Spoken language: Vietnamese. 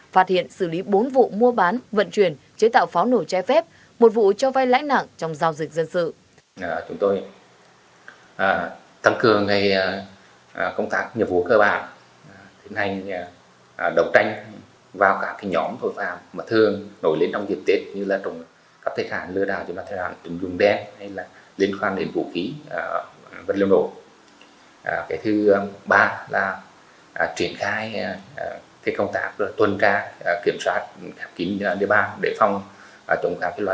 phát hiện xử lý bốn vụ mua bán vận chuyển chế tạo phó nổ che phép một vụ cho vai lãnh nặng trong giao dịch dân sự